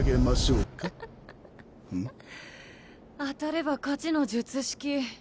当たれば勝ちの術式。